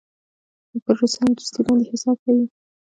پر روسانو دوستي باندې حساب کوي.